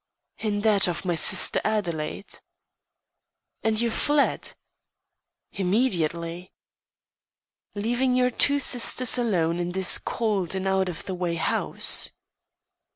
"In that of my sister Adelaide." "And you fled?" "Immediately." "Leaving your two sisters alone in this cold and out of the way house?"